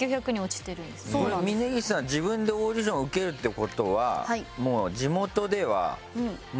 峯岸さんは自分でオーディションを受けるって事はもう。